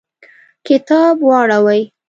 کتاب واوړوئ